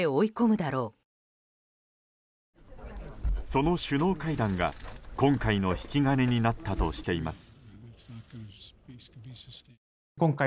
その首脳会談が今回の引き金になったとしています。